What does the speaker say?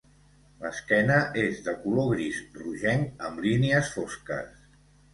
L'esquena és de color gris rogenc amb línies fosques.